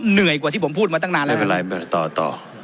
เหนื่อยกว่าที่ผมพูดมาตั้งนานแล้วไม่เป็นไรต่อต่อ